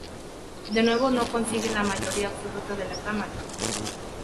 De nuevo no consigue la mayoría absoluta de la cámara.